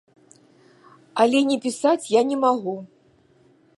Але не пісаць я не магу.